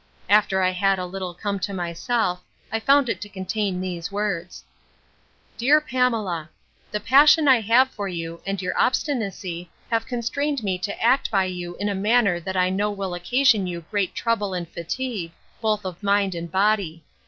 After I had a little come to myself, I found it to contain these words: 'DEAR PAMELA, 'The passion I have for you, and your obstinacy, have constrained me to act by you in a manner that I know will occasion you great trouble and fatigue, both of mind and body.